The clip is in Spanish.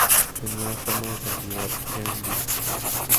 Tenía fama de santidad ya en vida.